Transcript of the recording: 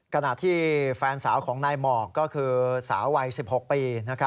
ขณะที่แฟนสาวของนายหมอกก็คือสาววัย๑๖ปี